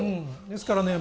ですからね